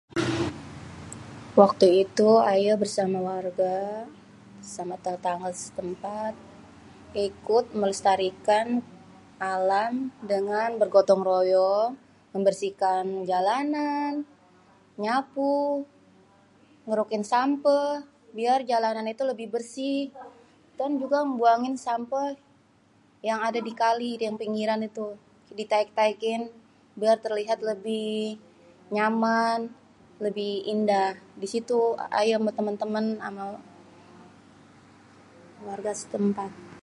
Waktu itu ayé bersama warga, sama tetangga setempat, ikut melestarikan alam dengan bergotong-royong, membersihkan jalanan, nyapu, ngerukin sampeh, biar jalanan itu lebih bersih dan juga buangin sampeh, yang ade di kali yang ade di pinggiran itu, ditaik-taikin biar terlihat lebih nyaman, lebih indah, di situ aye ame temen-temen, ame warga setempat.